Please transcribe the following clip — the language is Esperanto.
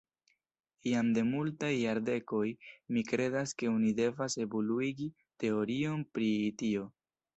Jam de multaj jardekoj mi kredas ke oni devas evoluigi teorion pri tio.